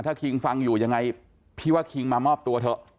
ถ้าคิงฟังอยู่ยังไงพี่ว่าคิงมามอบตัวเถอะ